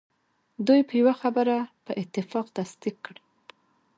دوی به یوه خبره په اتفاق تصدیق کړي.